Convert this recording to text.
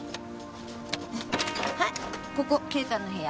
はいここ啓太の部屋。